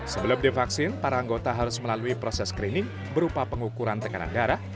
sebelum divaksin para anggota harus melalui proses screening berupa pengukuran tekanan darah